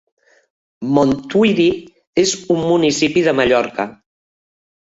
Montuïri és un municipi de Mallorca.